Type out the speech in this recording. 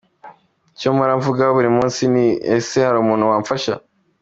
Icyo mpora mvuga buri munsi ni ese hari umuntu wamfasha….